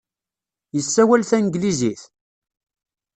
Yessawal tanglizit?